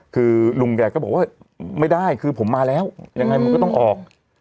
คือลุงแกก็บอกว่าไม่ได้คือผมมาแล้วยังไงมันก็ต้องออก